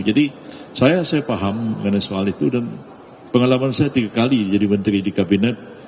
jadi saya saya paham mengenai soal itu dan pengalaman saya tiga kali jadi menteri di kabinet